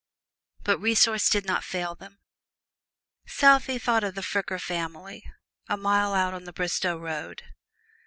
But resource did not fail them Southey thought of the Fricker family, a mile out on the Bristol road.